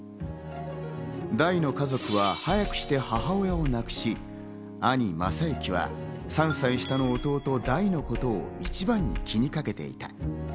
大の家族は早くして母親を亡くし、兄・雅之は３歳下の弟・大のことを一番に気にかけていた。